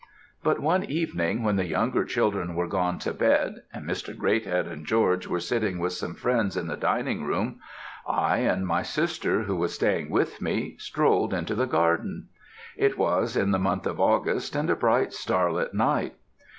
But, one evening, when the younger children were gone to bed, and Mr. Greathead and George were sitting with some friends in the dining room, I, and my sister, who was staying with me, strolled into the garden. It was in the month of August, and a bright starlight night.